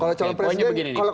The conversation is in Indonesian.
kalau calon presiden